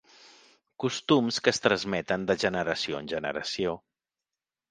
Costums que es transmeten de generació en generació.